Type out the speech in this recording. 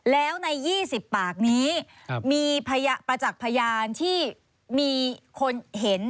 แล้วใน๒๐ปากนี้มีประจักษ์พยานที่มีคนเห็น